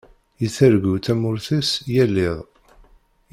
Yettargu tamurt-is yal iḍ.